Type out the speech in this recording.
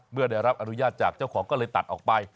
เมื่อได้รับอนุญาตจากเจ้าของก็เลยตัดออกไป